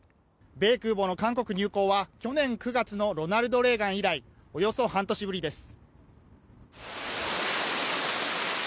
米空母の韓国入港は去年９月の「ロナルド・レーガン」以来およそ半年ぶりです。